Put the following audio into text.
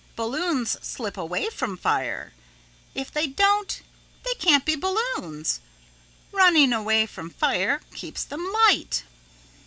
Balloons slip away from fire. If they don't they can't be balloons. Running away from fire keeps them light."